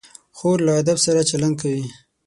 خور له ادب سره چلند کوي.